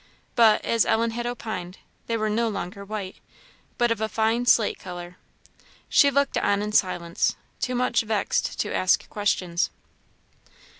But, as Ellen had opined, they were no longer white, but of a fine slate colour. She looked on in silence, too much vexed to ask questions.